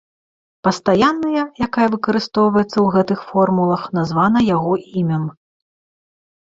Пастаянная, якая выкарыстоўваецца ў гэтых формулах, названа яго імем.